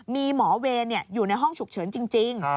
มีหมอเวรอยู่ในห้องฉุกเฉินจริง